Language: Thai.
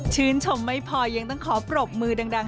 ชื่นชมไม่พอยังต้องขอปรบมือดัง